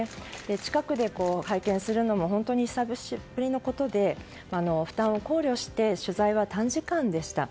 近くで拝見するのも本当に久しぶりのことで負担を考慮して取材は短時間でした。